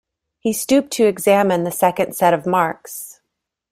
He stooped to examine the second set of marks.